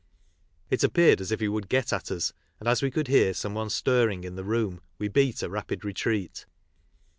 It appeared as if he would get at us, and as we could hear some one stirring in the room we beat a rapid retreat.